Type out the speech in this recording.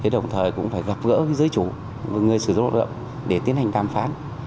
đồng thời cũng phải gặp gỡ giới chủ người sử dụng lao động để tiến hành đàm phán